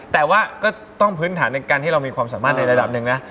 แต่ว่าก็ต้องพื้นฐานในการที่เรามีความสามารถในระดับหนึ่งนะ